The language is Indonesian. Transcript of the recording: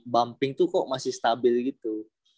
bumping tuh kok masih stabil gitu